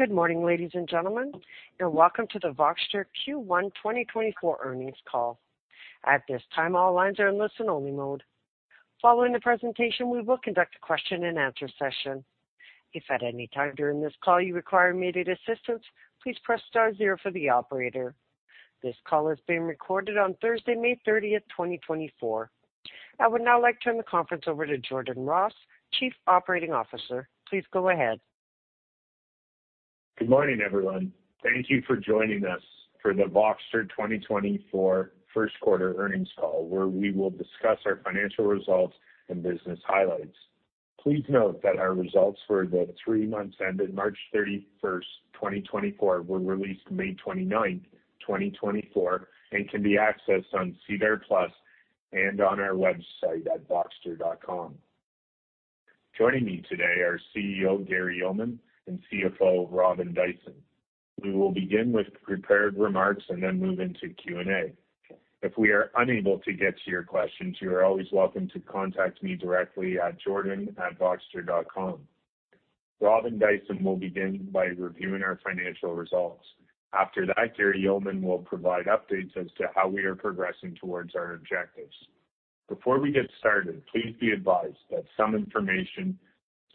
Good morning, ladies and gentlemen, and welcome to the Voxtur Q1 2024 Earnings Call. At this time, all lines are in listen-only mode. Following the presentation, we will conduct a question-and-answer session. If at any time during this call you require immediate assistance, please press star zero for the operator. This call is being recorded on Thursday, May 30th, 2024. I would now like to turn the conference over to Jordan Ross, Chief Operating Officer. Please go ahead. Good morning, everyone. Thank you for joining us for the Voxtur 2024 first quarter earnings call, where we will discuss our financial results and business highlights. Please note that our results for the three months ended March 31, 2024, were released May 29, 2024, and can be accessed on SEDAR+ and on our website at voxtur.com. Joining me today are CEO, Gary Yeoman, and CFO, Robin Dyson. We will begin with prepared remarks and then move into Q&A. If we are unable to get to your questions, you are always welcome to contact me directly at jordan@voxtur.com. Robin Dyson will begin by reviewing our financial results. After that, Gary Yeoman will provide updates as to how we are progressing towards our objectives. Before we get started, please be advised that some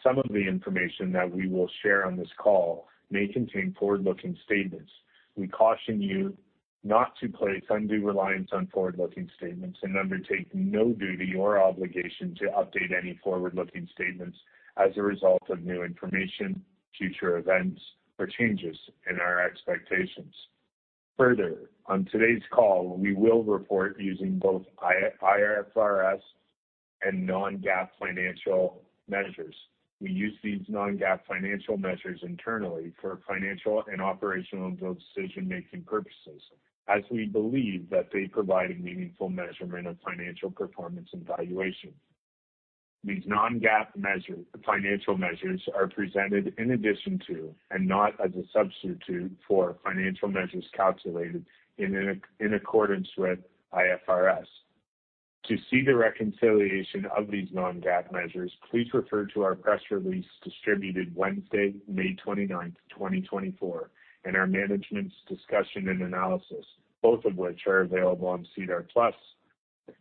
of the information that we will share on this call may contain forward-looking statements. We caution you not to place undue reliance on forward-looking statements and undertake no duty or obligation to update any forward-looking statements as a result of new information, future events, or changes in our expectations. Further, on today's call, we will report using both IFRS and non-GAAP financial measures. We use these non-GAAP financial measures internally for financial and operational decision-making purposes, as we believe that they provide a meaningful measurement of financial performance and valuation. These non-GAAP financial measures are presented in addition to, and not as a substitute for, financial measures calculated in accordance with IFRS. To see the reconciliation of these non-GAAP measures, please refer to our press release distributed Wednesday, May 29, 2024, and our Management's Discussion and Analysis, both of which are available on SEDAR+.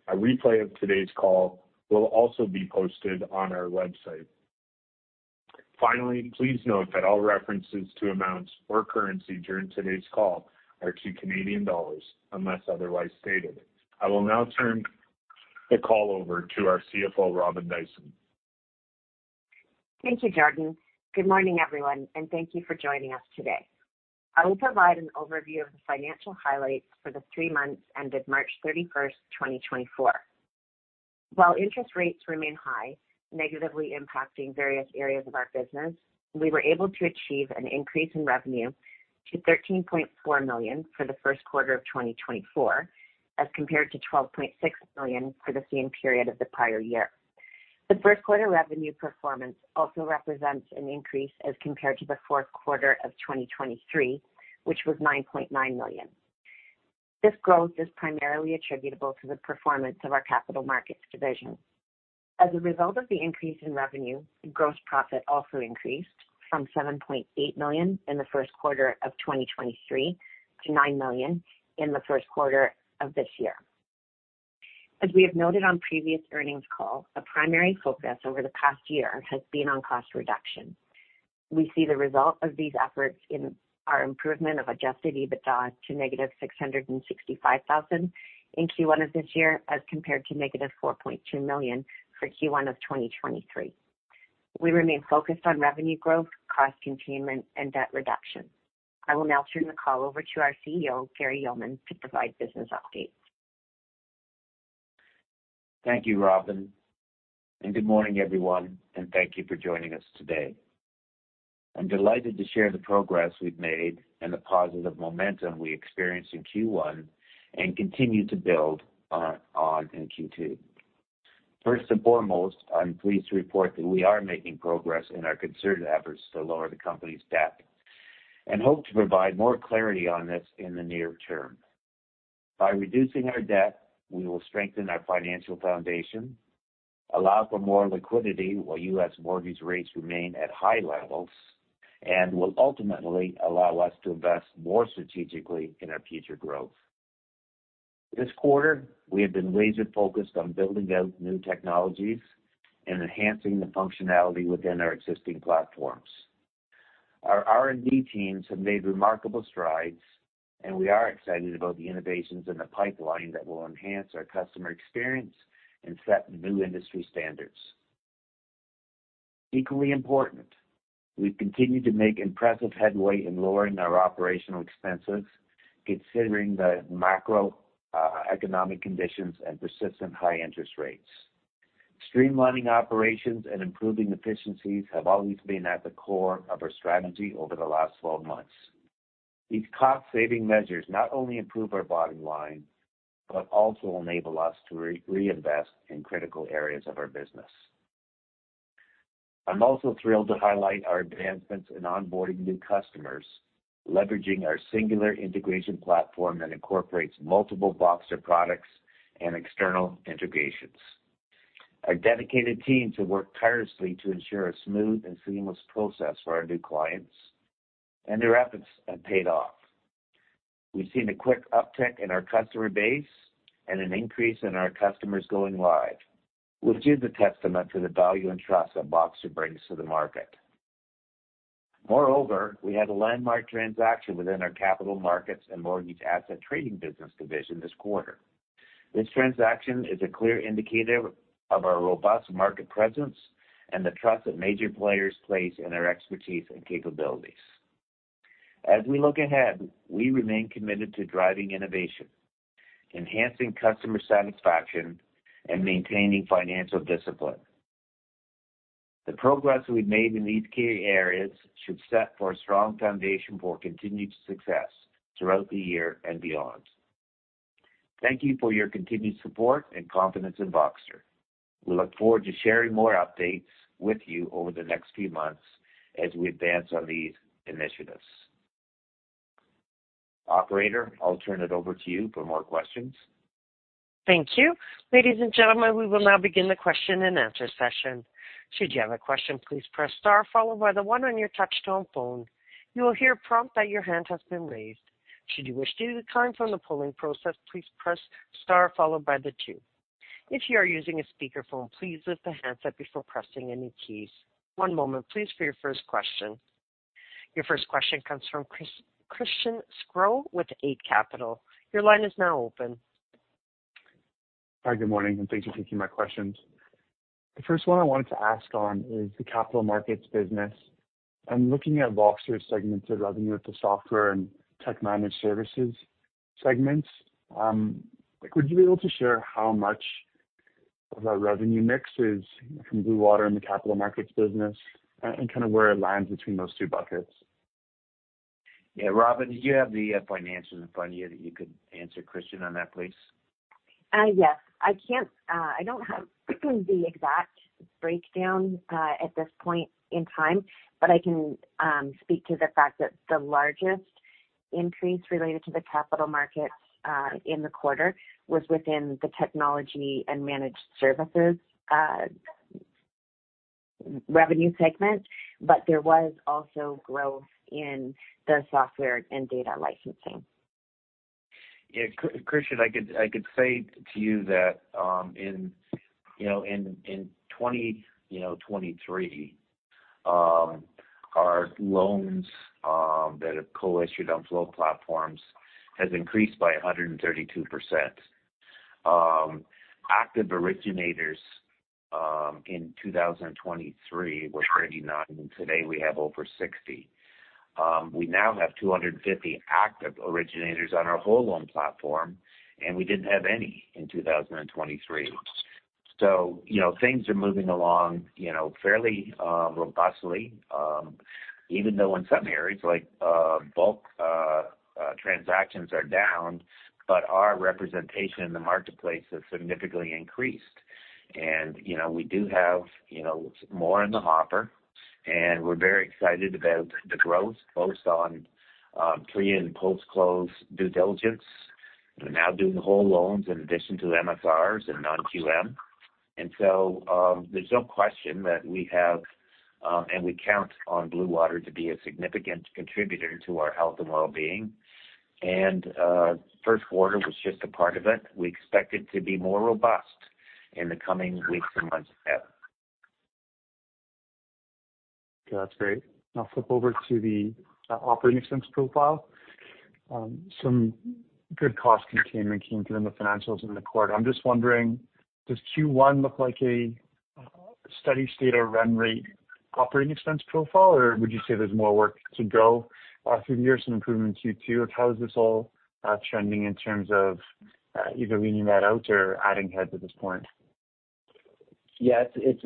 A replay of today's call will also be posted on our website. Finally, please note that all references to amounts or currency during today's call are to Canadian dollars, unless otherwise stated. I will now turn the call over to our CFO, Robyn Dyson. Thank you, Jordan. Good morning, everyone, and thank you for joining us today. I will provide an overview of the financial highlights for the three months ended March 31, 2024. While interest rates remain high, negatively impacting various areas of our business, we were able to achieve an increase in revenue to 13.4 million for the first quarter of 2024, as compared to 12.6 million for the same period of the prior year. The first quarter revenue performance also represents an increase as compared to the fourth quarter of 2023, which was 9.9 million. This growth is primarily attributable to the performance of our capital markets division. As a result of the increase in revenue, gross profit also increased from 7.8 million in the first quarter of 2023 to 9 million in the first quarter of this year. As we have noted on previous earnings call, a primary focus over the past year has been on cost reduction. We see the result of these efforts in our improvement of adjusted EBITDA to -665 thousand in Q1 of this year, as compared to -4.2 million for Q1 of 2023. We remain focused on revenue growth, cost containment, and debt reduction. I will now turn the call over to our CEO, Gary Yeoman, to provide business updates. Thank you, Robyn, and good morning, everyone, and thank you for joining us today. I'm delighted to share the progress we've made and the positive momentum we experienced in Q1 and continue to build on in Q2. First and foremost, I'm pleased to report that we are making progress in our concerted efforts to lower the company's debt and hope to provide more clarity on this in the near term. By reducing our debt, we will strengthen our financial foundation, allow for more liquidity while US mortgage rates remain at high levels, and will ultimately allow us to invest more strategically in our future growth. This quarter, we have been laser-focused on building out new technologies and enhancing the functionality within our existing platforms. Our R&D teams have made remarkable strides, and we are excited about the innovations in the pipeline that will enhance our customer experience and set new industry standards. Equally important, we've continued to make impressive headway in lowering our operational expenses, considering the macroeconomic conditions and persistent high interest rates. Streamlining operations and improving efficiencies have always been at the core of our strategy over the last 12 months. These cost-saving measures not only improve our bottom line, but also enable us to reinvest in critical areas of our business. I'm also thrilled to highlight our advancements in onboarding new customers, leveraging our singular integration platform that incorporates multiple Voxtur products and external integrations. Our dedicated teams have worked tirelessly to ensure a smooth and seamless process for our new clients, and their efforts have paid off. We've seen a quick uptick in our customer base and an increase in our customers going live, which is a testament to the value and trust that Voxtur brings to the market. Moreover, we had a landmark transaction within our capital markets and mortgage asset trading business division this quarter. This transaction is a clear indicator of our robust market presence and the trust that major players place in our expertise and capabilities. As we look ahead, we remain committed to driving innovation, enhancing customer satisfaction, and maintaining financial discipline. The progress we've made in these key areas should set for a strong foundation for continued success throughout the year and beyond. Thank you for your continued support and confidence in Voxtur. We look forward to sharing more updates with you over the next few months as we advance on these initiatives. Operator, I'll turn it over to you for more questions. Thank you. Ladies and gentlemen, we will now begin the question-and-answer session. Should you have a question, please press star followed by the one on your Touch-Tone phone. You will hear a prompt that your hand has been raised. Should you wish to decline from the polling process, please press star followed by the two. If you are using a speakerphone, please lift the handset before pressing any keys. One moment, please, for your first question. Your first question comes from Christian Sgro with Eight Capital. Your line is now open. Hi, good morning, and thanks for taking my questions. The first one I wanted to ask on is the capital markets business. I'm looking at Voxtur's segmented revenue at the software and tech managed services segments. Could you be able to share how much of that revenue mix is from Blue Water and the capital markets business, and kind of where it lands between those two buckets? Yeah, Robyn, did you have the financials in front of you that you could answer Christian on that, please? Yes. I can't, I don't have the exact breakdown at this point in time, but I can speak to the fact that the largest increase related to the capital markets in the quarter was within the Technology and Managed Services revenue segment, but there was also growth in the Software and Data Licensing. Yeah, Christian, I could say to you that, you know, in 2023, our loans that have co-issued on flow platforms has increased by 132%. Active originators in 2023 were 39, and today we have over 60. We now have 250 active originators on our whole loan platform, and we didn't have any in 2023. So, you know, things are moving along, you know, fairly robustly, even though in some areas like bulk transactions are down, but our representation in the marketplace has significantly increased. And, you know, we do have, you know, more in the hopper, and we're very excited about the growth both on pre- and post-close due diligence. We're now doing the whole loans in addition to MSRs and non-QM. And so, there's no question that we have, and we count on Blue Water to be a significant contributor to our health and well-being. And, first quarter was just a part of it. We expect it to be more robust in the coming weeks and months ahead. Okay, that's great. I'll flip over to the operating expense profile. Some good cost containment came through in the financials in the quarter. I'm just wondering, does Q1 look like a steady state or run rate operating expense profile, or would you say there's more work to go? Through the years, some improvement in Q2. How is this all trending in terms of either leaning that out or adding heads at this point? Yes, it's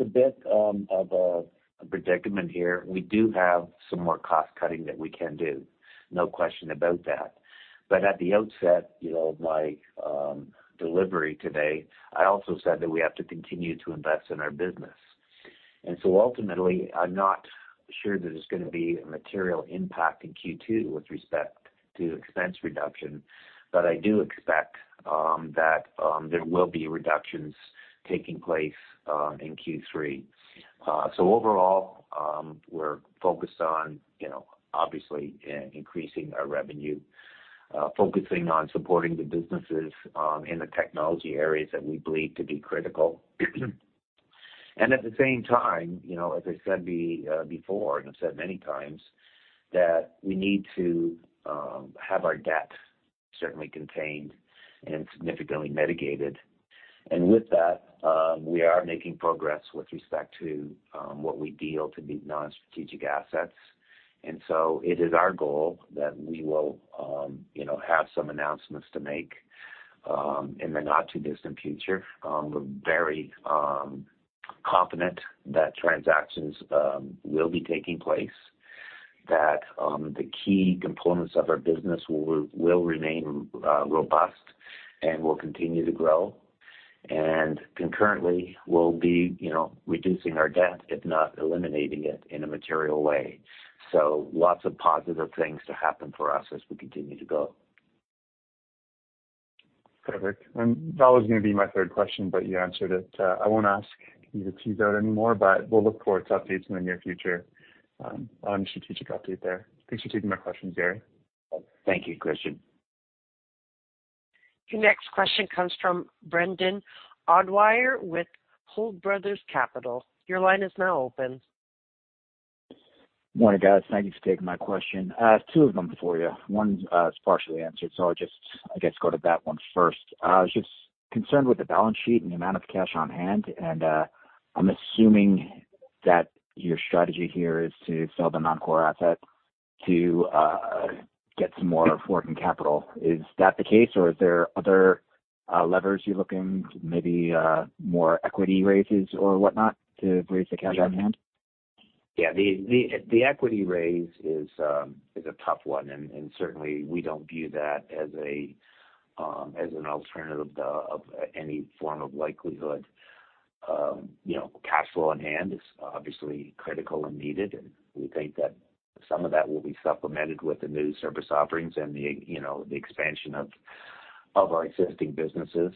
a bit of a predicament here. We do have some more cost cutting that we can do. No question about that. But at the outset, you know, my delivery today, I also said that we have to continue to invest in our business. And so ultimately, I'm not sure that there's gonna be a material impact in Q2 with respect to expense reduction, but I do expect that there will be reductions taking place in Q3. So overall, we're focused on, you know, obviously increasing our revenue, focusing on supporting the businesses in the technology areas that we believe to be critical. And at the same time, you know, as I said before, and I've said many times, that we need to have our debt certainly contained and significantly mitigated. And with that, we are making progress with respect to what we deem to be non-strategic assets. And so it is our goal that we will, you know, have some announcements to make in the not-too-distant future. We're very confident that transactions will be taking place, that the key components of our business will, will remain robust and will continue to grow. And concurrently, we'll be, you know, reducing our debt, if not eliminating it, in a material way. So lots of positive things to happen for us as we continue to go. Perfect, and that was going to be my third question, but you answered it. I won't ask you to tease out any more, but we'll look forward to updates in the near future, on your strategic update there. Thanks for taking my questions, Gary. Thank you, Christian. Your next question comes from Brendan O'Dwyer with Hold Brothers Capital. Your line is now open. Morning, guys. Thank you for taking my question. Two of them for you. One is partially answered, so I'll just, I guess, go to that one first. I was just concerned with the balance sheet and the amount of cash on hand, and I'm assuming that your strategy here is to sell the non-core asset to get some more working capital. Is that the case, or are there other levers you're looking, maybe, more equity raises or whatnot, to raise the cash on hand? Yeah. The equity raise is a tough one, and certainly we don't view that as an alternative of any form of likelihood. You know, cash flow on hand is obviously critical and needed, and we think that some of that will be supplemented with the new service offerings and the, you know, the expansion of our existing businesses.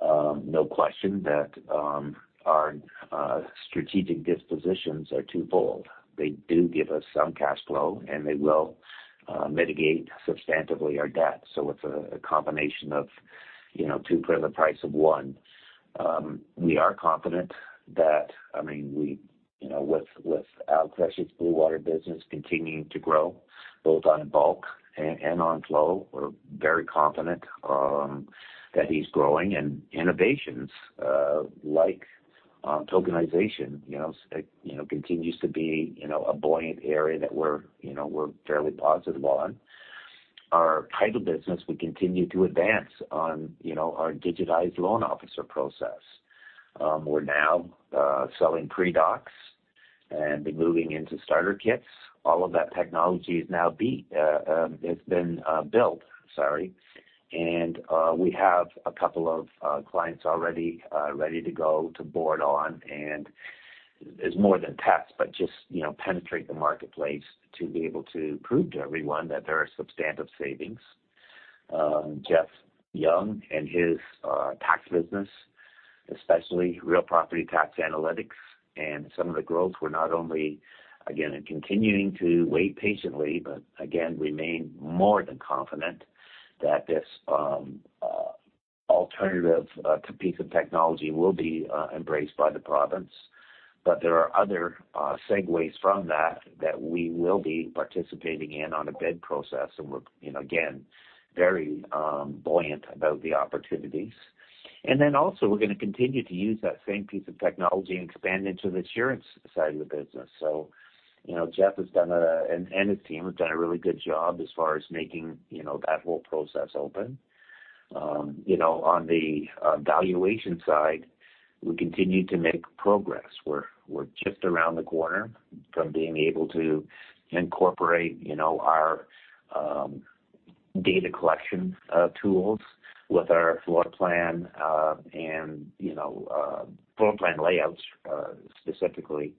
No question that our strategic dispositions are twofold. They do give us some cash flow, and they will mitigate substantively our debt. So it's a combination of two for the price of one. We are confident that, I mean, we, you know, with Al Qureshi's Blue Water business continuing to grow, both on bulk and on flow, we're very confident that he's growing. Innovations, like, tokenization, you know, it, you know, continues to be, you know, a buoyant area that we're, you know, we're fairly positive on. Our title business, we continue to advance on, you know, our digitized loan officer process. We're now selling pre-docs and moving into starter kits. All of that technology has been built, sorry. And we have a couple of clients already ready to go to board on, and it's more than tax, but just, you know, penetrate the marketplace to be able to prove to everyone that there are substantive savings. Jeff Young and his tax business, especially Real Property Tax Analytics and some of the growth, we're not only, again, continuing to wait patiently, but again, remain more than confident that this alternative piece of technology will be embraced by the province. But there are other segues from that that we will be participating in on a bid process, and we're, you know, again, very buoyant about the opportunities. And then also, we're gonna continue to use that same piece of technology and expand into the insurance side of the business. So, you know, Jeff and his team have done a really good job as far as making, you know, that whole process open. You know, on the valuation side, we continue to make progress. We're just around the corner from being able to incorporate, you know, our data collection tools with our floor plan and, you know, floor plan layouts, specifically.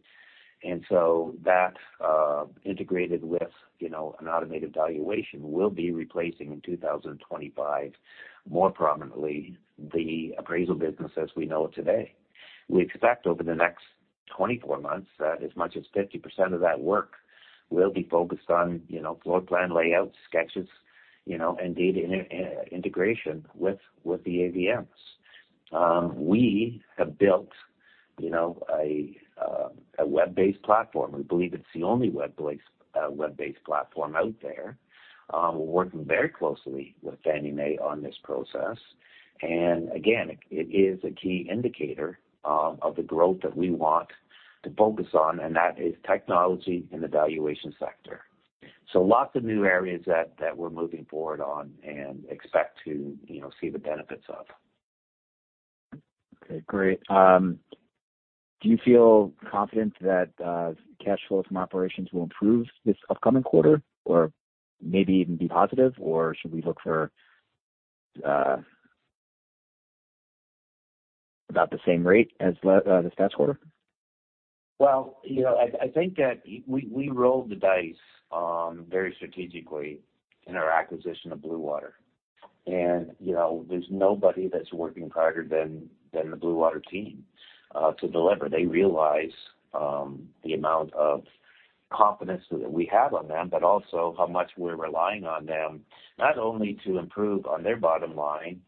And so that integrated with, you know, an automated valuation, will be replacing in 2025, more prominently, the appraisal business as we know it today. We expect over the next 24 months, that as much as 50% of that work will be focused on, you know, floor plan layouts, sketches, you know, and data integration with the AVMs. We have built, you know, a web-based platform. We believe it's the only web-based platform out there. We're working very closely with Fannie Mae on this process. Again, it is a key indicator of the growth that we want to focus on, and that is technology in the valuation sector. Lots of new areas that we're moving forward on and expect to, you know, see the benefits of. Okay, great. Do you feel confident that cash flow from operations will improve this upcoming quarter or maybe even be positive? Or should we look for about the same rate as this past quarter? Well, you know, I think that we rolled the dice very strategically in our acquisition of Blue Water. And, you know, there's nobody that's working harder than the Blue Water team to deliver. They realize the amount of confidence that we have on them, but also how much we're relying on them, not only to improve on their bottom line,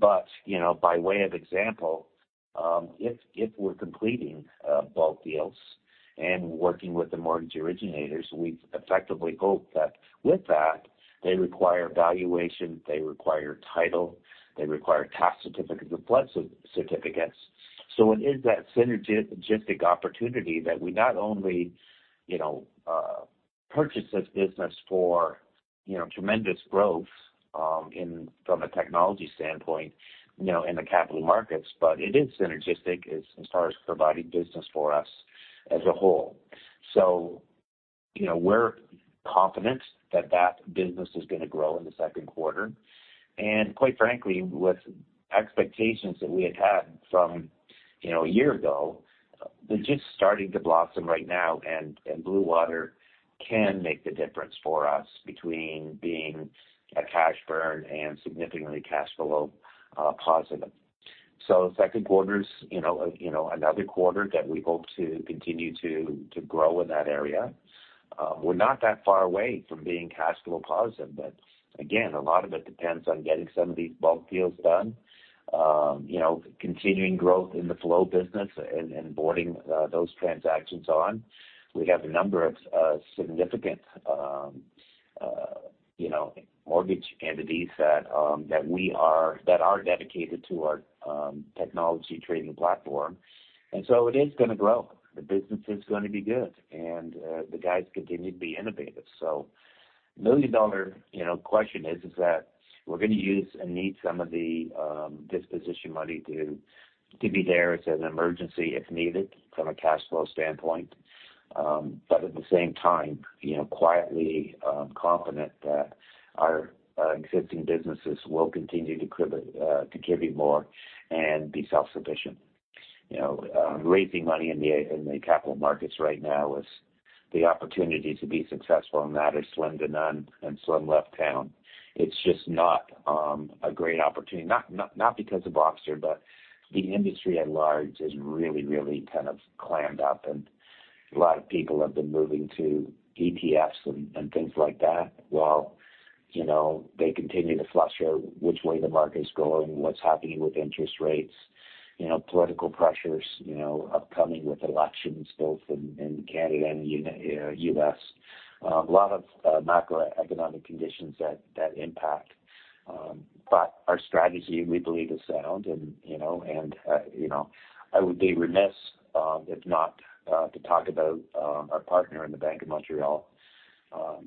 but, you know, by way of example, if we're completing both deals and working with the mortgage originators, we effectively hope that with that, they require valuation, they require title, they require tax certificates and flood certificates. So it is that synergistic opportunity that we not only, you know, purchase this business for, you know, tremendous growth, in, from a technology standpoint, you know, in the capital markets, but it is synergistic as far as providing business for us as a whole. So, you know, we're confident that that business is gonna grow in the second quarter, and quite frankly, with expectations that we had had from, you know, a year ago, they're just starting to blossom right now, and Blue Water can make the difference for us between being a cash burn and significantly cash flow positive. So second quarter's, you know, another quarter that we hope to continue to grow in that area. We're not that far away from being cash flow positive, but again, a lot of it depends on getting some of these bulk deals done. You know, continuing growth in the flow business and boarding those transactions on. We have a number of significant, you know, mortgage entities that are dedicated to our technology trading platform, and so it is gonna grow. The business is gonna be good, and the guys continue to be innovative. So million-dollar, you know, question is that we're gonna use and need some of the disposition money to be there as an emergency if needed from a cash flow standpoint. But at the same time, you know, quietly confident that our existing businesses will continue to contribute more and be self-sufficient. You know, raising money in the capital markets right now is the opportunity to be successful, and that is slim to none, and slim left town. It's just not a great opportunity, not, not, not because of Voxtur, but the industry at large is really, really kind of clammed up, and a lot of people have been moving to ETFs and things like that, while, you know, they continue to flesh out which way the market's going, what's happening with interest rates. You know, political pressures, you know, upcoming with elections both in Canada and US. A lot of macroeconomic conditions that impact. But our strategy, we believe, is sound, and, you know, I would be remiss if not to talk about our partner, the Bank of Montreal.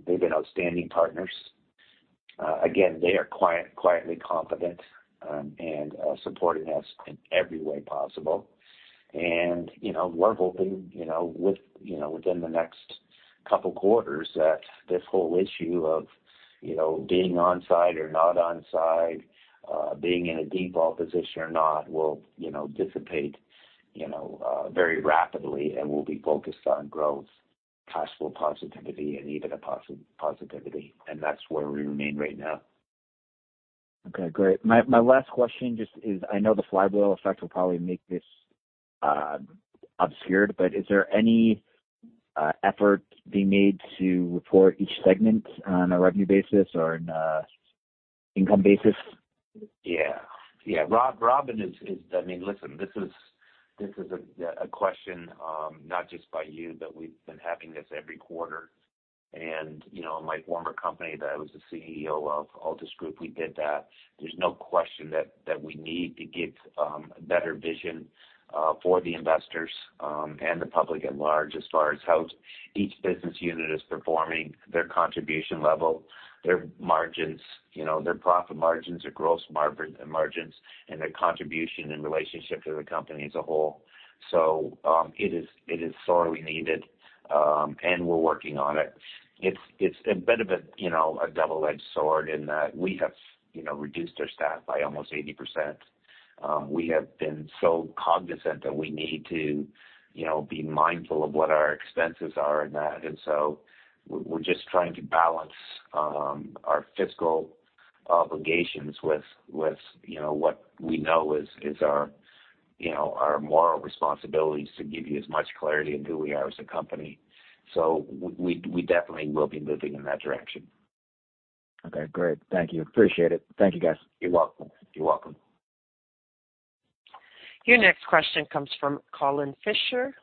They've been outstanding partners. Again, they are quietly confident, and supporting us in every way possible. You know, we're hoping, you know, with, you know, within the next couple quarters, that this whole issue of, you know, being on side or not on side, being in a default position or not, will, you know, dissipate, you know, very rapidly, and we'll be focused on growth, cash flow positivity, and even a positivity, and that's where we remain right now. Okay, great. My, my last question just is, I know the flywheel effect will probably make this obscured, but is there any effort being made to report each segment on a revenue basis or an income basis? Yeah. Yeah, Robyn is... I mean, listen, this is a question, not just by you, but we've been having this every quarter. You know, my former company that I was the CEO of, Altus Group, we did that. There's no question that we need to give better vision for the investors and the public at large, as far as how each business unit is performing, their contribution level, their margins, you know, their profit margins, their gross margins, and their contribution in relationship to the company as a whole. So, it is sorely needed, and we're working on it. It's a bit of a, you know, a double-edged sword in that we have, you know, reduced our staff by almost 80%. We have been so cognizant that we need to, you know, be mindful of what our expenses are in that, and so we're just trying to balance our fiscal obligations with, with, you know, what we know is our, you know, our moral responsibilities to give you as much clarity into who we are as a company. So we, we definitely will be moving in that direction. Okay, great. Thank you. Appreciate it. Thank you, guys. You're welcome. You're welcome. Your next question comes from Colin Fisher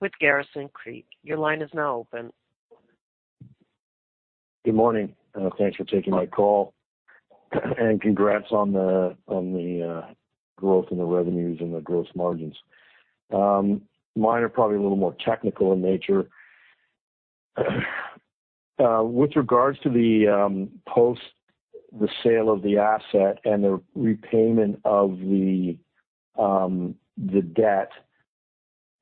with Garrison Creek. Your line is now open. Good morning. Thanks for taking my call. And congrats on the, on the, growth in the revenues and the gross margins. Mine are probably a little more technical in nature. With regards to the, post the sale of the asset and the repayment of the, the debt,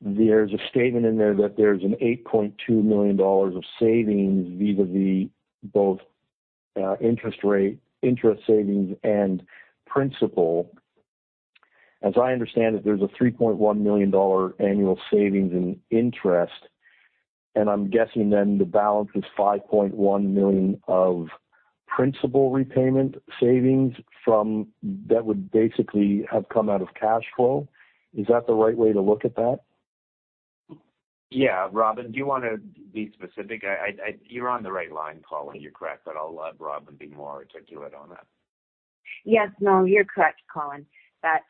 there's a statement in there that there's 8.2 million dollars of savings vis-a-vis both, interest rate, interest savings, and principal. As I understand it, there's a 3.1 million dollar annual savings in interest, and I'm guessing then the balance is 5.1 million of principal repayment savings from... That would basically have come out of cash flow. Is that the right way to look at that? Yeah. Robyn, do you want to be specific? You're on the right line, Colin, you're correct, but I'll let Robyn be more articulate on that. Yes, no, you're correct, Colin. That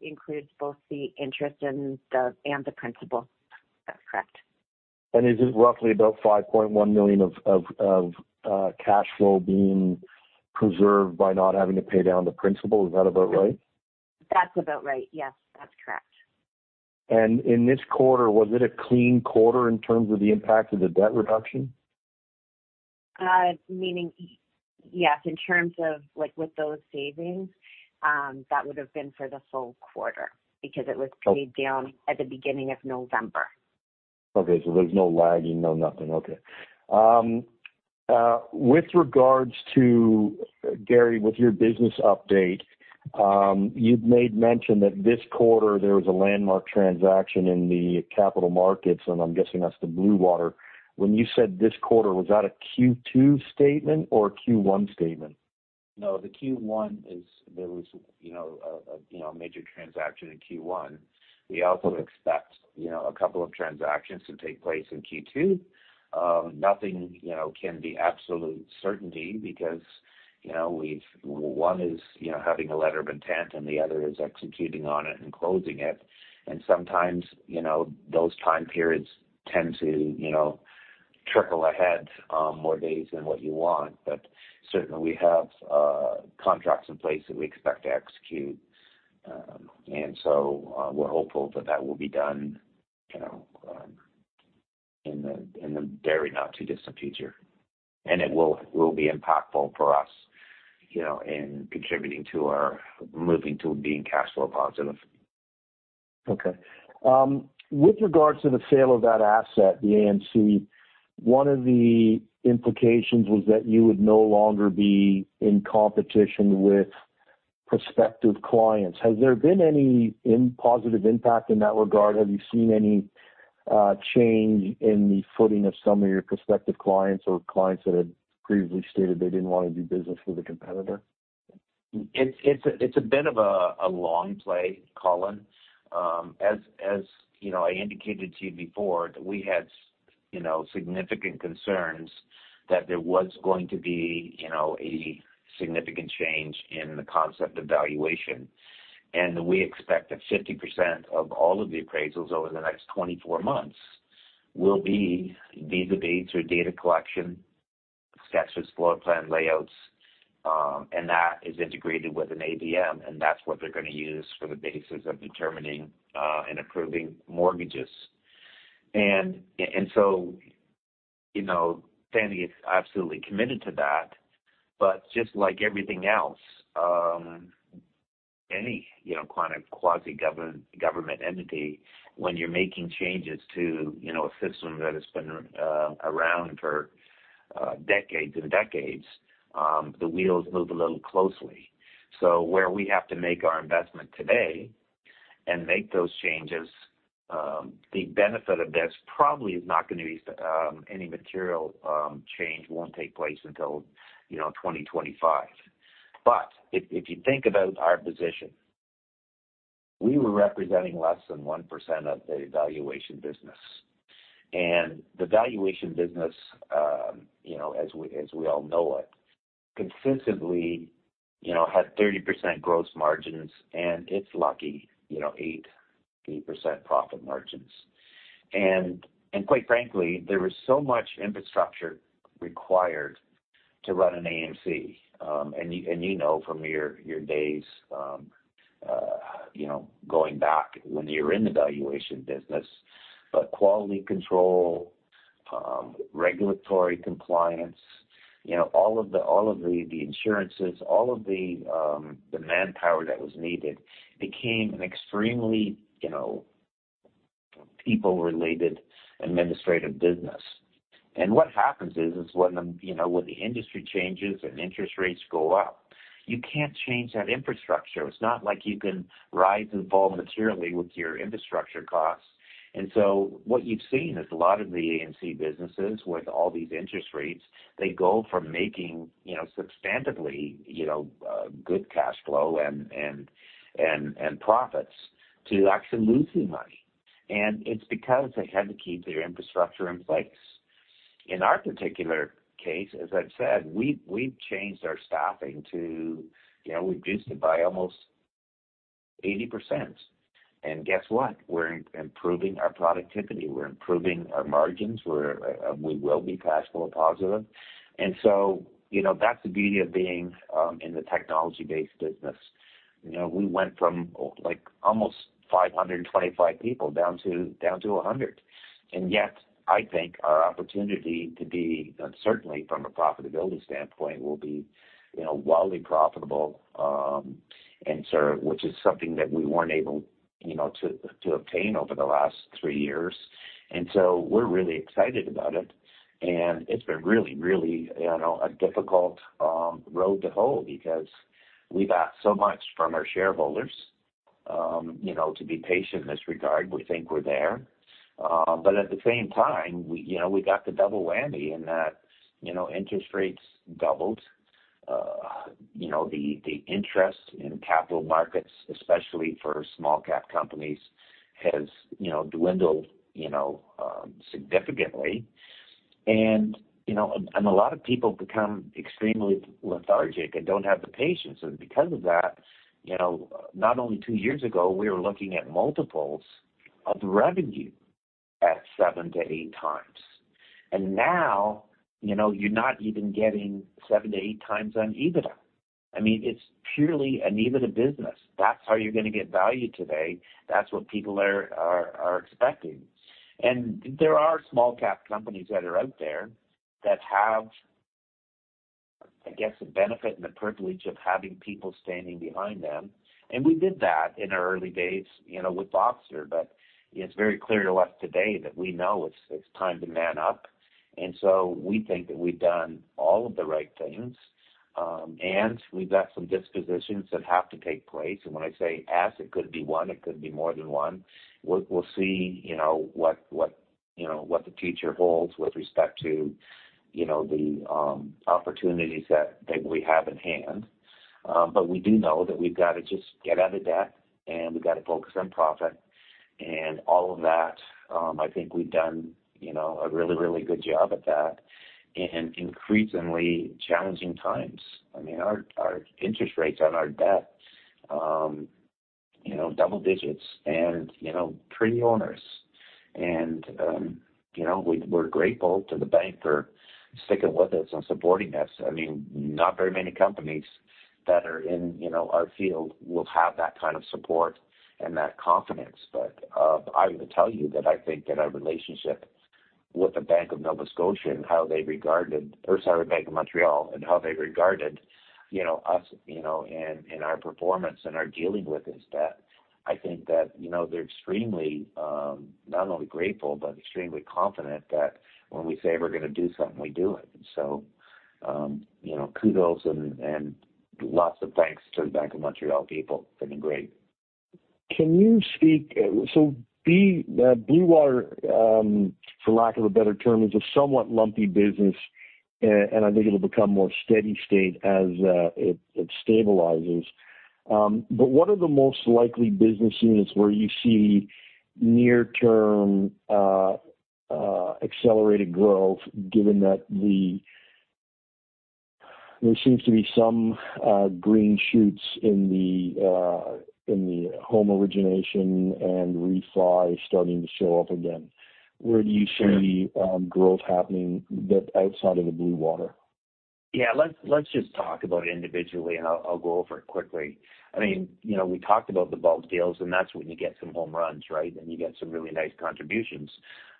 includes both the interest and the principal. That's correct. And is it roughly about 5.1 million of cash flow being preserved by not having to pay down the principal? Is that about right? That's about right. Yes, that's correct. In this quarter, was it a clean quarter in terms of the impact of the debt reduction? Meaning. Yes, in terms of like with those savings, that would have been for the full quarter, because it was paid down at the beginning of November. Okay, so there's no lagging, no nothing. Okay. With regards to, Gary, with your business update, you've made mention that this quarter there was a landmark transaction in the capital markets, and I'm guessing that's the Blue Water. When you said this quarter, was that a Q2 statement or a Q1 statement? No, the Q1 there was, you know, a major transaction in Q1. We also expect, you know, a couple of transactions to take place in Q2. Nothing, you know, can be absolute certainty because, you know, we've one is, you know, having a letter of intent, and the other is executing on it and closing it. And sometimes, you know, those time periods tend to, you know, trickle ahead more days than what you want. But certainly, we have contracts in place that we expect to execute. And so, we're hopeful that that will be done, you know, in the very not-too-distant future. And it will be impactful for us, you know, in contributing to our moving to being cash flow positive. Okay. With regards to the sale of that asset, the AMC, one of the implications was that you would no longer be in competition with prospective clients. Has there been any positive impact in that regard? Have you seen any change in the footing of some of your prospective clients or clients that had previously stated they didn't want to do business with a competitor? It's a bit of a long play, Colin. As you know, I indicated to you before that we had significant concerns that there was going to be a significant change in the concept of valuation. And we expect that 50% of all of the appraisals over the next 24 months will be vis-a-vis through data collection, sketches, floor plan layouts, and that is integrated with an AVM, and that's what they're gonna use for the basis of determining and approving mortgages. And so, you know, Fannie is absolutely committed to that. But just like everything else, any, you know, kind of quasi-government, government entity, when you're making changes to a system that has been around for decades and decades, the wheels move a little slowly. So where we have to make our investment today and make those changes, the benefit of this probably is not gonna be any material change won't take place until, you know, 2025. But if you think about our position, we were representing less than 1% of the valuation business. And the valuation business, you know, as we all know it, consistently, you know, had 30% gross margins, and it's lucky, you know, 8% profit margins. And quite frankly, there was so much infrastructure required to run an AMC. And you know, from your days, you know, going back when you were in the valuation business, but quality control, regulatory compliance, you know, all of the, all of the insurances, all of the manpower that was needed became an extremely, you know, people-related administrative business. And what happens is when the, you know, when the industry changes and interest rates go up, you can't change that infrastructure. It's not like you can rise and fall materially with your infrastructure costs. And so what you've seen is a lot of the AMC businesses, with all these interest rates, they go from making, you know, substantively, you know, good cash flow and profits to actually losing money. And it's because they had to keep their infrastructure in place. In our particular case, as I've said, we've changed our staffing to. You know, we've reduced it by almost 80%. And guess what? We're improving our productivity, we're improving our margins, we're... We will be cash flow positive. And so, you know, that's the beauty of being in the technology-based business. You know, we went from, oh, like, almost 525 people down to 100. And yet, I think our opportunity to be, certainly from a profitability standpoint, will be, you know, wildly profitable and serve, which is something that we weren't able, you know, to obtain over the last three years. And so we're really excited about it, and it's been really, really, you know, a difficult road to hoe because we've asked so much from our shareholders, you know, to be patient in this regard. We think we're there. But at the same time, we, you know, we got the double whammy in that, you know, interest rates doubled. You know, the interest in capital markets, especially for small cap companies, has, you know, dwindled, you know, significantly. And, you know, and a lot of people become extremely lethargic and don't have the patience. And because of that, you know, not only two years ago, we were looking at multiples of revenue at 7-8 times. And now, you know, you're not even getting 7-8 times on EBITDA. I mean, it's purely an EBITDA business. That's how you're gonna get value today. That's what people are expecting. And there are small cap companies that are out there that have the benefit and the privilege of having people standing behind them. And we did that in our early days, you know, with Voxtur. But it's very clear to us today that we know it's time to man up, and so we think that we've done all of the right things. And we've got some dispositions that have to take place. And when I say, it could be one, it could be more than one. We'll see, you know, what the future holds with respect to, you know, the opportunities that we have in hand. But we do know that we've got to just get out of debt, and we've got to focus on profit and all of that. I think we've done, you know, a really, really good job at that in increasingly challenging times. I mean, our, our interest rates on our debt, you know, double digits and, you know, pretty onerous. And, you know, we're grateful to the bank for sticking with us and supporting us. I mean, not very many companies that are in, you know, our field will have that kind of support and that confidence. But, I would tell you that I think that our relationship with the Bank of Montreal and how they regarded. Or, sorry, Bank of Montreal, and how they regarded, you know, us, you know, and, and our performance and our dealing with is that I think that, you know, they're extremely, not only grateful, but extremely confident that when we say we're going to do something, we do it. So, you know, kudos and, and lots of thanks to the Bank of Montreal people. They've been great. So Blue Water, for lack of a better term, is a somewhat lumpy business, and I think it'll become more steady state as it stabilizes. But what are the most likely business units where you see near-term accelerated growth, given that the... There seems to be some green shoots in the in the home origination and refi starting to show up again? Where do you see growth happening that's outside of the Blue Water? Yeah, let's just talk about it individually, and I'll go over it quickly. I mean, you know, we talked about the bulk deals, and that's when you get some home runs, right? And you get some really nice contributions.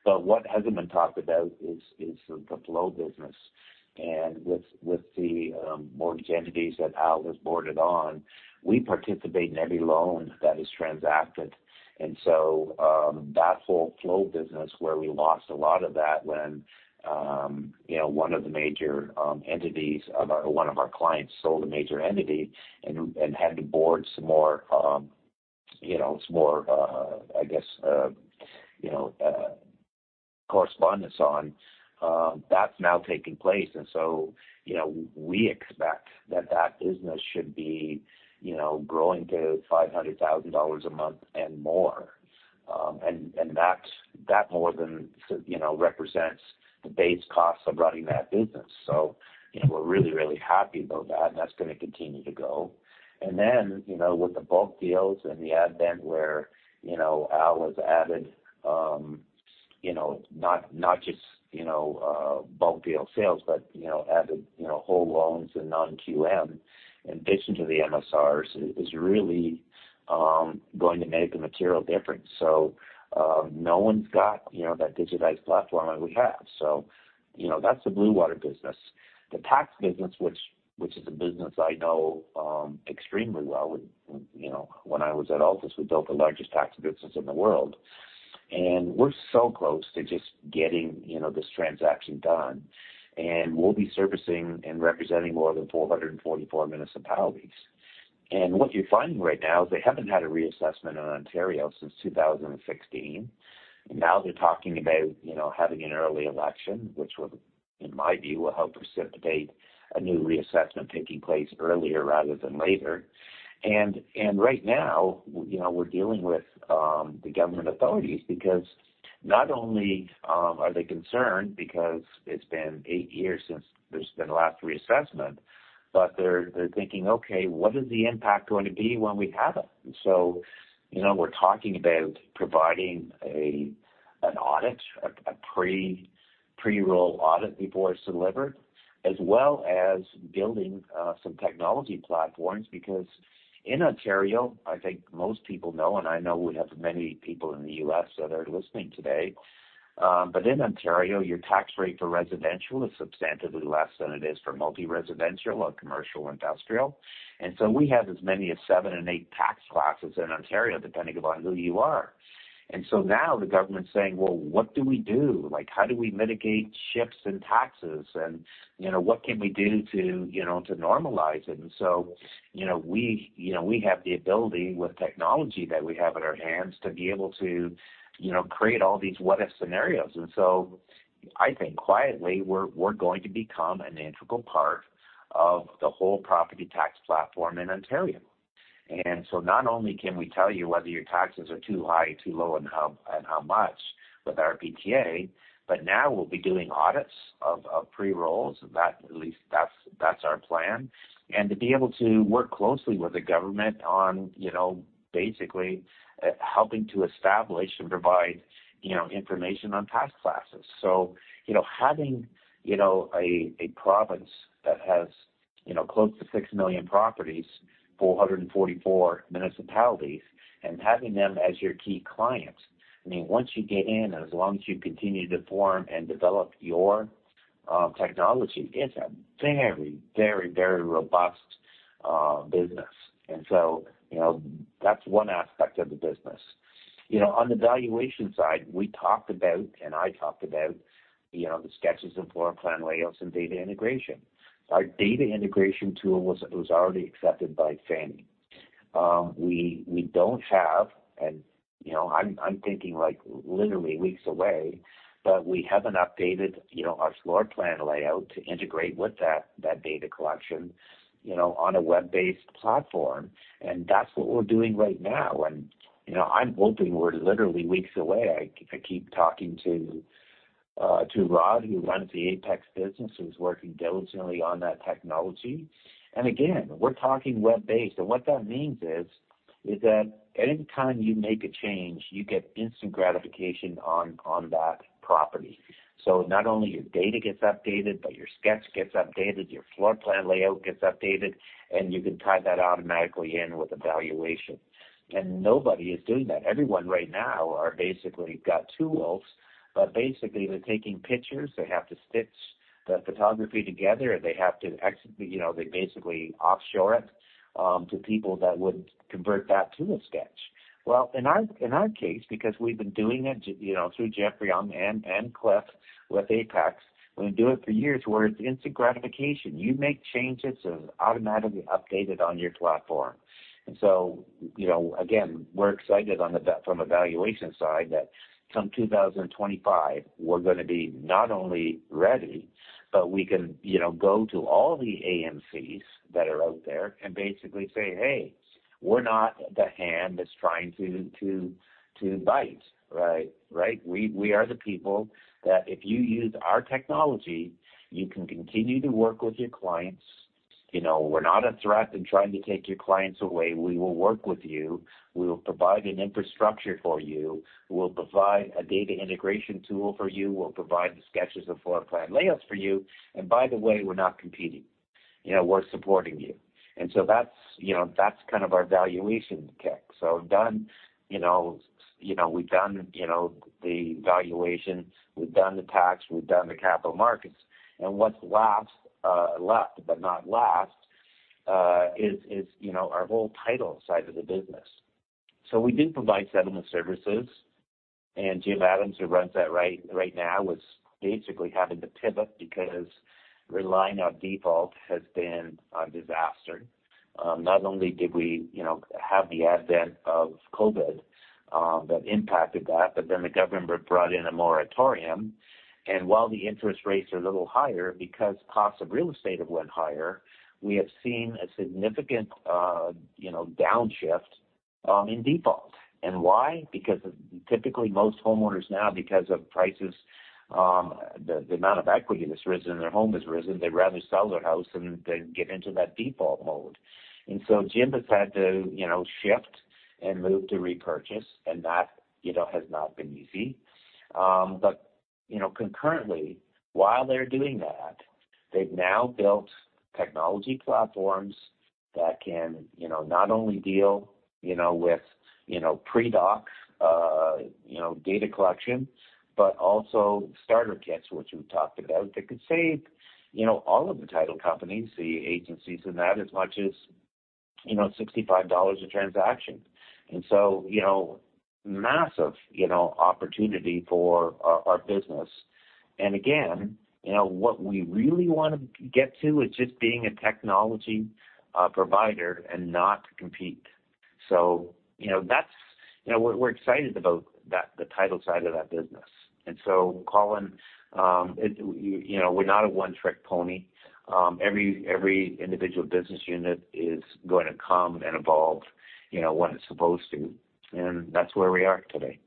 But what hasn't been talked about is the flow business. And with the mortgage entities that Al has boarded on, we participate in every loan that is transacted. And so, that whole flow business where we lost a lot of that when, you know, one of the major entities, one of our clients sold a major entity and had to board some more, you know, some more correspondents on, that's now taking place. And so, you know, we expect that business should be, you know, growing to $500,000 a month and more. And that more than, you know, represents the base costs of running that business. So, you know, we're really, really happy about that, and that's going to continue to go. And then, you know, with the bulk deals and the advent where, you know, Al has added, you know, not just bulk deal sales, but added whole loans and non-QM in addition to the MSRs, is really going to make a material difference. So, no one's got, you know, that digitized platform like we have. So, you know, that's the Bluewater business. The tax business, which is a business I know extremely well. You know, when I was at Altus, we built the largest tax business in the world, and we're so close to just getting, you know, this transaction done. And we'll be servicing and representing more than 444 municipalities. And what you're finding right now is they haven't had a reassessment in Ontario since 2016. And now they're talking about, you know, having an early election, which will, in my view, will help precipitate a new reassessment taking place earlier rather than later. Right now, you know, we're dealing with the government authorities because not only are they concerned because it's been eight years since there's been the last reassessment, but they're thinking, "Okay, what is the impact going to be when we have it?" And so, you know, we're talking about providing an audit, a pre-roll audit before it's delivered, as well as building some technology platforms. Because in Ontario, I think most people know, and I know we have many people in the U.S. that are listening today, but in Ontario, your tax rate for residential is substantively less than it is for multi-residential or commercial, industrial. And so we have as many as seven and eight tax classes in Ontario, depending upon who you are. And so now the government's saying: Well, what do we do? Like, how do we mitigate shifts in taxes and, you know, what can we do to, you know, to normalize it? And so, you know, we, you know, we have the ability with technology that we have at our hands to be able to, you know, create all these what-if scenarios. And so I think quietly, we're, we're going to become an integral part of the whole property tax platform in Ontario. And so not only can we tell you whether your taxes are too high, too low, and how, and how much with our PTA, but now we'll be doing audits of, of pre-rolls. That at least that's, that's our plan. And to be able to work closely with the government on, you know, basically, helping to establish and provide, you know, information on tax classes. So, you know, having a province that has, you know, close to 6 million properties, 444 municipalities and having them as your key clients, I mean, once you get in, as long as you continue to form and develop your technology, it's a very, very, very robust business. And so, you know, that's one aspect of the business. You know, on the valuation side, we talked about, and I talked about, you know, the sketches and floor plan layouts and data integration. Our data integration tool was already accepted by Fannie. We don't have, and, you know, I'm thinking, like, literally weeks away, but we haven't updated, you know, our floor plan layout to integrate with that data collection, you know, on a web-based platform. And that's what we're doing right now. You know, I'm hoping we're literally weeks away. I keep talking to Rob, who runs the Apex business, who's working diligently on that technology. And again, we're talking web-based, and what that means is that anytime you make a change, you get instant gratification on that property. So not only your data gets updated, but your sketch gets updated, your floor plan layout gets updated, and you can tie that automatically in with a valuation. And nobody is doing that. Everyone right now are basically got tools, but basically, they're taking pictures. They have to stitch the photography together, and you know, they basically offshore it to people that would convert that to a sketch. Well, in our case, because we've been doing it, you know, through Jeffrey and Cliff with Apex, we've been doing it for years, where it's instant gratification. You make changes, it's automatically updated on your platform. And so, you know, again, we're excited, from a valuation side, that come 2025, we're gonna be not only ready, but we can, you know, go to all the AMCs that are out there and basically say, "Hey, we're not the hand that's trying to bite," right? Right? "We are the people that if you use our technology, you can continue to work with your clients. You know, we're not a threat in trying to take your clients away. We will work with you. We will provide an infrastructure for you. We'll provide a data integration tool for you. We'll provide the sketches and floor plan layouts for you. And by the way, we're not competing, you know, we're supporting you." And so that's, you know, that's kind of our valuation kick. So we've done, you know, you know, we've done, you know, the valuation, we've done the tax, we've done the capital markets, and what's last, last, but not last, is, is, you know, our whole title side of the business. So we do provide settlement services, and Jim Adams, who runs that right, right now, was basically having to pivot because relying on default has been a disaster. Not only did we, you know, have the advent of COVID, that impacted that, but then the government brought in a moratorium. While the interest rates are a little higher, because costs of real estate have went higher, we have seen a significant, you know, downshift in default. And why? Because typically, most homeowners now, because of prices, the, the amount of equity that's risen in their home has risen, they'd rather sell their house than, than get into that default mode. And so Jim has had to, you know, shift and move to purchase, and that, you know, has not been easy. But you know, concurrently, while they're doing that, they've now built technology platforms that can, you know, not only deal, you know, with, you know, pre-docs, you know, data collection, but also starter kits, which we've talked about, that could save, you know, all of the title companies, the agencies, and that as much as, you know, $65 a transaction. And so, you know, massive, you know, opportunity for our business. And again, you know, what we really want to get to is just being a technology provider and not compete. So, you know, that's... You know, we're excited about that, the title side of that business. And so, Colin, you know, we're not a one-trick pony. Every individual business unit is going to come and evolve, you know, when it's supposed to, and that's where we are today.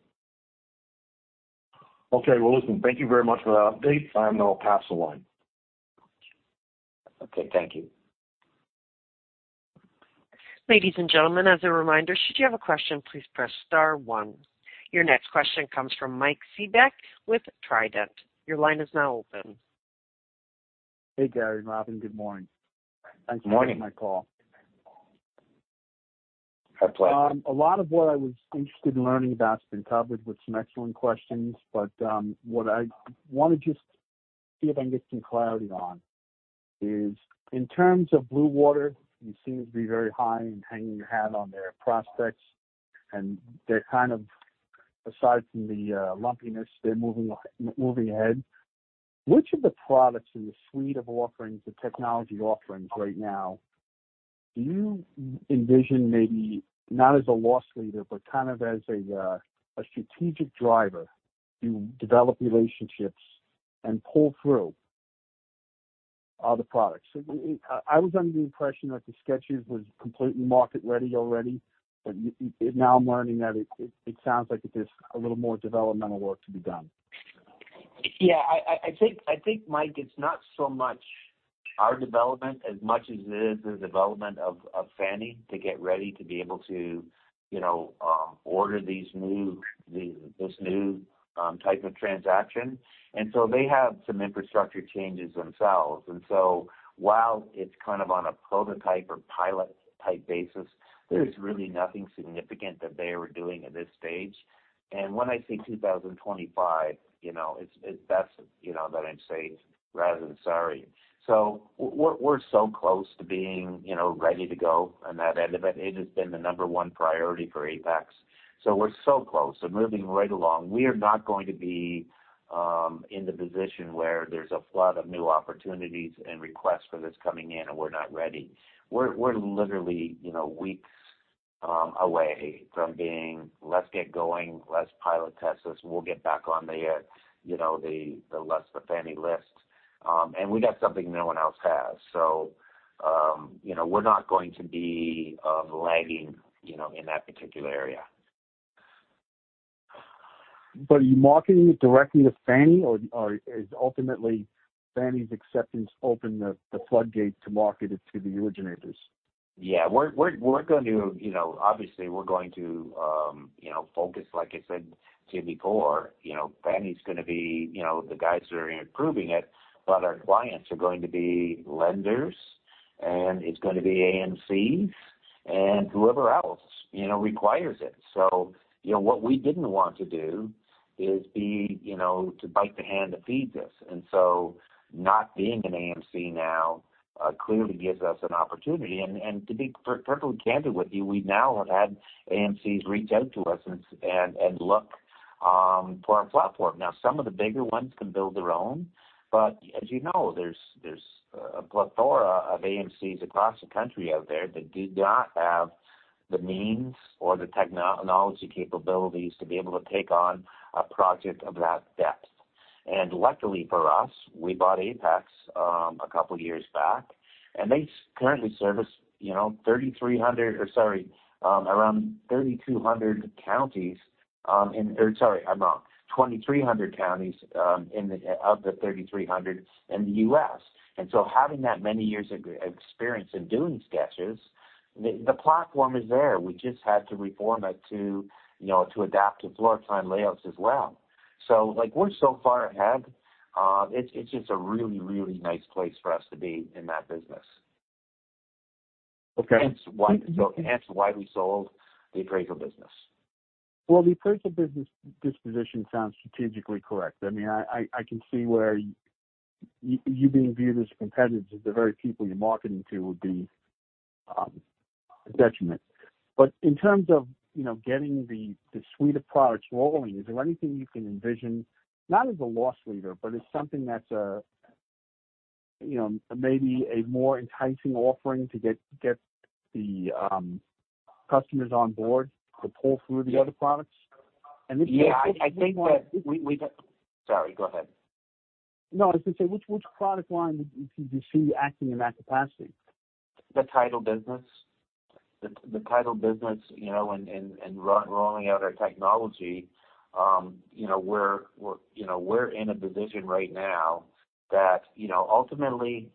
Okay, well, listen, thank you very much for that update. I'll now pass the line. Okay, thank you. Ladies and gentlemen, as a reminder, should you have a question, please press star one. Your next question comes from Mike Seabeck with Trident. Your line is now open. Hey, Gary and Robyn, good morning. Good morning. Thanks for taking my call. My pleasure. A lot of what I was interested in learning about has been covered with some excellent questions, but what I want to just see if I can get some clarity on is, in terms of Blue Water, you seem to be very high in hanging your hat on their prospects, and they're kind of, aside from the lumpiness, they're moving ahead. Which of the products in the suite of offerings, the technology offerings right now, do you envision maybe not as a loss leader, but kind of as a strategic driver to develop relationships and pull through other products? So I was under the impression that the sketches was completely market-ready already, but now I'm learning that it sounds like there's a little more developmental work to be done. Yeah, I think, Mike, it's not so much our development as much as it is the development of Fannie to get ready to be able to, you know, order these new, this new type of transaction. And so they have some infrastructure changes themselves. And so while it's kind of on a prototype or pilot-type basis, there's really nothing significant that they are doing at this stage. And when I say 2025, you know, it's, it, that's, you know, that I'm saying rather than sorry. So we're, we're so close to being, you know, ready to go on that end of it. It has been the number one priority for Apex. So we're so close and moving right along. We are not going to be in the position where there's a flood of new opportunities and requests for this coming in, and we're not ready. We're literally, you know, weeks away from being, "Let's get going. Let's pilot test this. We'll get back on the, you know, the list," the Fannie list. And we got something no one else has. So, you know, we're not going to be lagging, you know, in that particular area. But are you marketing it directly to Fannie, or is ultimately Fannie's acceptance open the floodgate to market it to the originators? Yeah, we're going to, you know... Obviously, we're going to, you know, focus, like I said to you before, you know, Fannie Mae's gonna be, you know, the guys that are improving it, but our clients are going to be lenders, and it's gonna be AMCs and whoever else, you know, requires it. So, you know, what we didn't want to do is be, you know, to bite the hand that feeds us. And so not being an AMC now clearly gives us an opportunity. And look for our platform. Now, some of the bigger ones can build their own, but as you know, there's a plethora of AMCs across the country out there that do not have the means or the technology capabilities to be able to take on a project of that depth. And luckily for us, we bought Apex a couple of years back, and they currently service, you know, 3,300, or sorry, around 3,200 counties, in, or sorry, I'm wrong, 2,300 counties, in the out of the 3,300 in the U.S. And so having that many years of experience in doing sketches, the platform is there. We just had to reform it to, you know, to adapt to floor plan layouts as well. Like, we're so far ahead, it's just a really, really nice place for us to be in that business. Okay. It's why we sold the appraisal business. Well, the appraisal business disposition sounds strategically correct. I mean, I can see where you being viewed as competitors to the very people you're marketing to would be a detriment. But in terms of, you know, getting the suite of products rolling, is there anything you can envision, not as a loss leader, but as something that's a, you know, maybe a more enticing offering to get the customers on board to pull through the other products? And this. Yeah, I think that we. Sorry, go ahead. No, I was gonna say, which, which product line do you foresee acting in that capacity? The title business. The title business, you know, and rolling out our technology, you know, we're in a position right now that, you know, ultimately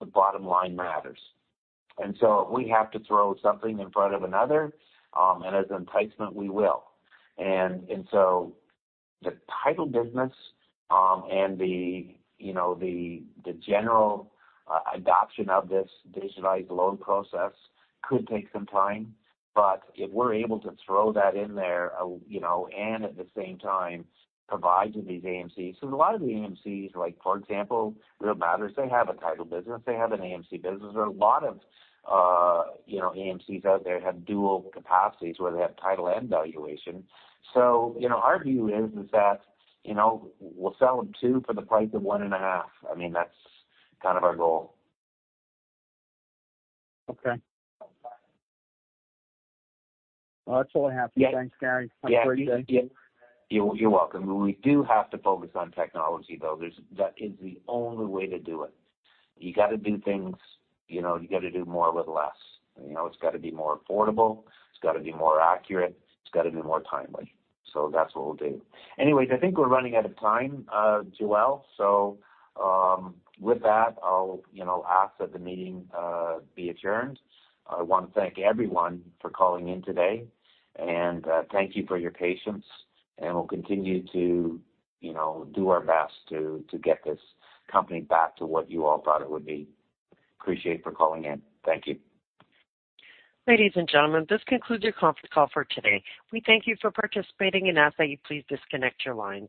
the bottom line matters. And so if we have to throw something in front of another, and as an enticement, we will. And so the title business, and the, you know, the general adoption of this digitized loan process could take some time, but if we're able to throw that in there, you know, and at the same time providing these AMCs. So a lot of the AMCs, like, for example, Real Matters, they have a title business, they have an AMC business. There are a lot of, you know, AMCs out there have dual capacities, where they have title and valuation. So, you know, our view is that, you know, we'll sell them 2 for the price of 1.5. I mean, that's kind of our goal. Okay. Well, that's all I have. Thanks, Gary. Have a great day. You're welcome. We do have to focus on technology, though. That is the only way to do it. You got to do things, you know, you got to do more with less. You know, it's got to be more affordable, it's got to be more accurate, it's got to be more timely. So that's what we'll do. Anyways, I think we're running out of time, Jordan. So, with that, I'll, you know, ask that the meeting be adjourned. I want to thank everyone for calling in today, and thank you for your patience, and we'll continue to, you know, do our best to get this company back to what you all thought it would be. Appreciate for calling in. Thank you. Ladies and gentlemen, this concludes your conference call for today. We thank you for participating and ask that you please disconnect your lines.